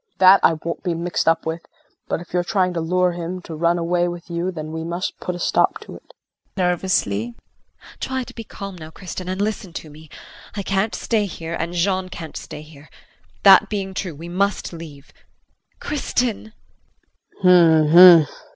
That I won't be mixed up with, but if you're trying to lure him to run away with you then we must put a stop to it. JULIE. Try to be calm now Kristin, and listen to me. I can't stay here and Jean can't stay here. That being true, we must leave Kristin. KRISTIN.